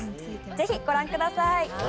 ぜひご覧ください。